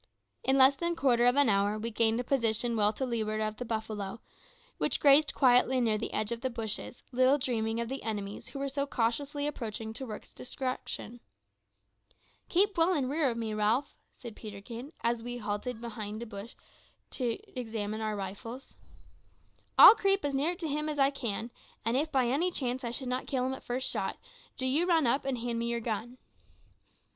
In less than quarter of an hour we gained a position well to leeward of the buffalo, which grazed quietly near the edge of the bushes, little dreaming of the enemies who were so cautiously approaching to work its destruction. "Keep well in rear of me, Ralph," said Peterkin, as we halted behind a bush to examine our rifles. "I'll creep as near to him as I can, and if by any chance I should not kill him at the first shot, do you run up and hand me your gun."